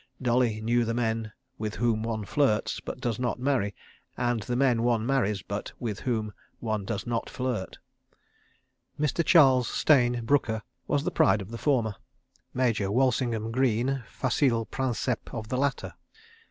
Dolly knew the men with whom one flirts but does not marry, and the men one marries but with whom one does not flirt. Mr. Charles Stayne Brooker was the pride of the former; Major Walsingham Greene facile princeps of the latter.